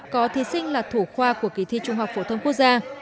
có thí sinh là thủ khoa của kỳ thi trung học phổ thông quốc gia